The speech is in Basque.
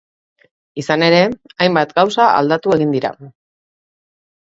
Izan ere, hainbat gauza aldatu egin dira.